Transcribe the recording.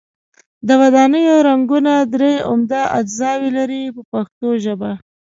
د ودانیو رنګونه درې عمده اجزاوې لري په پښتو ژبه.